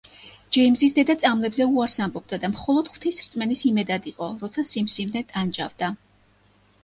ჯეიმზის დედა წამლებზე უარს ამბობდა და მხოლოდ ღვთის რწმენის იმედად იყო, როცა სიმსივნე ტანჯავდა.